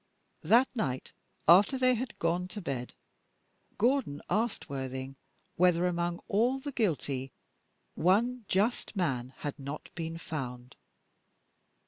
That night, after they had gone to bed, Gordon asked Worthing whether, among all the guilty, one just man had not been found.